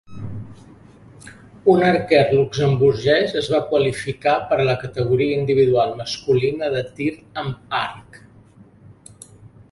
Un arquer luxemburguès es va qualificar per a la categoria individual masculina de tir amb arc.